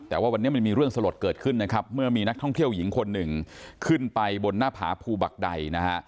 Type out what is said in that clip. แต่ว่าวันนี้มันมีเรื่องสลดเกิดขึ้นนะครับเมื่อมีนักท่องเที่ยวหญิงคนหนึ่งขึ้นไปบนหน้าผาภูบักใดนะฮะ